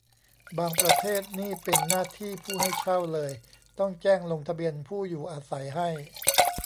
บางประเทศนี่เป็นหน้าที่ผู้ให้เช่าเลย ต้องแจ้งลงทะเบียนผู้อยู่อาศัยให้